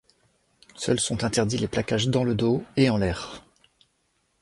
Seuls sont interdits les plaquages dans le dos et en l'air.